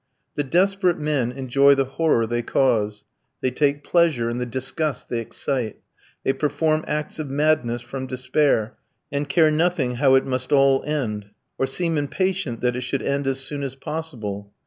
The desperate men enjoy the horror they cause; they take pleasure in the disgust they excite; they perform acts of madness from despair, and care nothing how it must all end, or seem impatient that it should end as soon as possible.